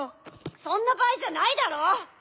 そんなばあいじゃないだろ！